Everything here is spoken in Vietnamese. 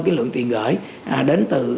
cái lượng tiền gửi đến từ